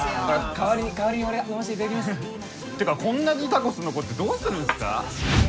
代わりに代わりに俺が飲ませていただきますってかこんなにタコス残ってどうするんすか？